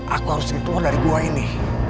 aku harus hitung dari gua ini